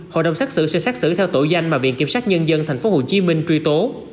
hội đồng xét xử sẽ xác xử theo tội danh mà viện kiểm sát nhân dân tp hcm truy tố